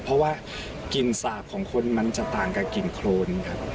เพราะว่ากลิ่นสาบของคนมันจะต่างกับกลิ่นโครนครับ